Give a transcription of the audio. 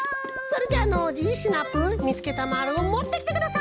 それじゃあノージーシナプーみつけたまるをもってきてください！